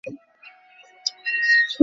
উদাহরণ স্বরূপ জ্যকব বিগ্লো’র কথা বলা যায়।